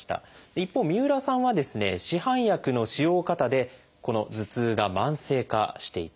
一方三浦さんは市販薬の使用過多でこの頭痛が慢性化していたんです。